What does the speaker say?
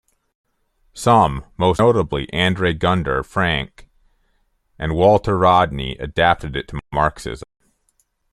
Some, most notably Andre Gunder Frank and Walter Rodney adapted it to Marxism.